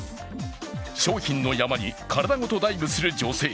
商品の山に体ごとダイブする女性。